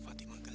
ya udah deh